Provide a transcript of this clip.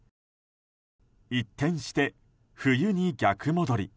一転して冬に逆戻り。